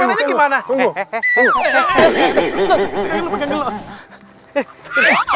pegangin lu pegangin lu